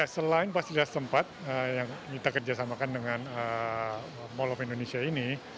selain pas tidak sempat yang kita kerjasamakan dengan mall of indonesia ini